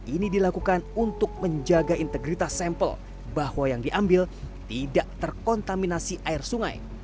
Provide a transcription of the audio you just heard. ini dilakukan untuk menjaga integritas sampel bahwa yang diambil tidak terkontaminasi air sungai